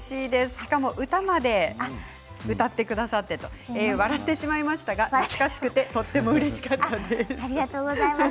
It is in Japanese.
しかも歌まで歌ってくださって笑ってしまいましたが懐かしくてとてもうれしかったです。